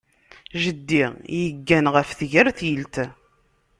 Jeddi yeggan ɣef tgertilt.